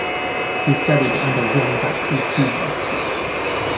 He studied under Jean-Baptiste Dumas.